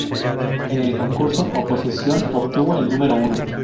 En el concurso-oposición obtuvo el número uno.